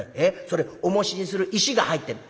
それおもしにする石が入ってる」。